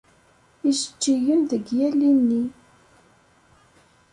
Ijeǧǧigen deg yal ini.